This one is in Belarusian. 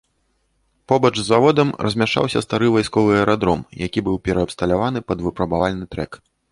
Побач з заводам размяшчаўся стары вайсковы аэрадром, які быў пераабсталяваны пад выпрабавальны трэк.